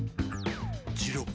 ジロ。